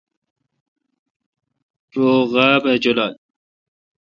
رو غاب اؘ جولال۔